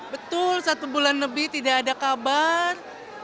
betul satu bulan lebih tidak ada kabar